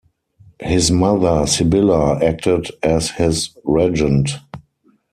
His mother Sibylla acted as his regent.